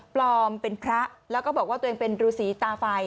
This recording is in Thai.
ปลอมเป็นพระแล้วก็บอกว่าตัวเองเป็นรูสีตาไฟ